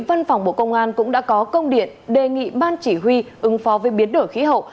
văn phòng bộ công an cũng đã có công điện đề nghị ban chỉ huy ứng phó với biến đổi khí hậu